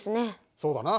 そうだな。